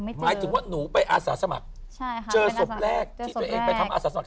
หมายถึงว่าหนูไปอาสาสมัครเจอศพแรกที่ตัวเองไปทำอาสาสมัคร